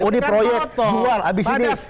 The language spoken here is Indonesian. oh ini proyek jual habis ini